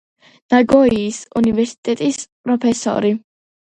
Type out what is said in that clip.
ნაგოიის უნივერსიტეტის პროფესორი.